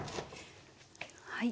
はい。